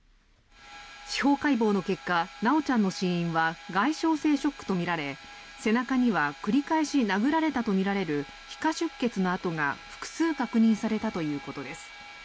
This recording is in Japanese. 司法解剖の結果修ちゃんの死因は外傷性ショックとみられ背中には繰り返し殴られたとみられる皮下出血の痕が複数確認されたということです。